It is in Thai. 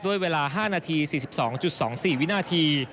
เวลา๕นาที๔๒๒๔วินาที